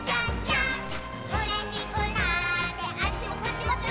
「うれしくなってあっちもこっちもぴょぴょーん」